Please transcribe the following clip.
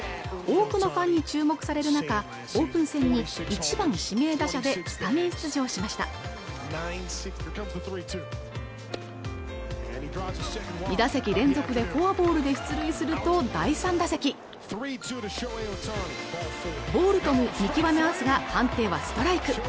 多くのファンに注目される中オープン戦に１番・指名打者でスタメン出場しました２打席連続でフォアボールで出塁すると第３打席ボールと見極めますが判定はストライク